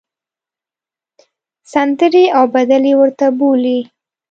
سندرې او بدلې ورته بولۍ.